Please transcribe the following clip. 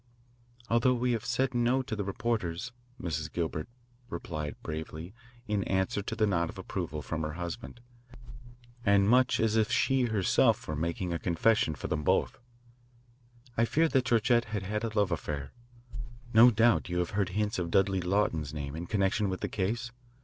"Although we have said no to the reporters," Mrs. Gilbert replied bravely in answer to the nod of approval from her husband, and much as if she herself were making a confession for them both, "I fear that Georgette had had a love affair. No doubt you have heard hints of Dudley Lawton's name in connection with the case?